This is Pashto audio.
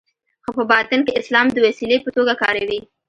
خو په باطن کې اسلام د وسیلې په توګه کاروي.